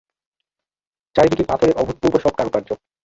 চারিদিকে পাথরের অভূতপূর্ব সব কারুকার্য।